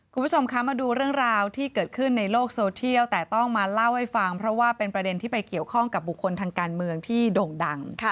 คุณผู้ชมคะมาดูเรื่องราวที่เกิดขึ้นในโลกโซเทียลแต่ต้องมาเล่าให้ฟังเพราะว่าเป็นประเด็นที่ไปเกี่ยวข้องกับบุคคลทางการเมืองที่โด่งดัง